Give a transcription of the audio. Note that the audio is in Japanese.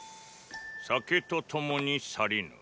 酒と共に去りぬ。